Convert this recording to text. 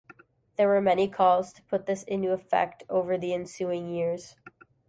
There were many calls to put this into effect over the ensuing years.